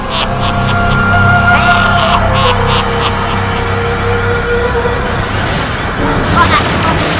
jadi kau punya yetov bye bye radso